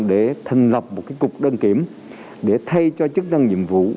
để thành lập một cục đăng kiểm để thay cho chức năng nhiệm vụ